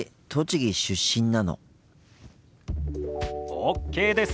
ＯＫです！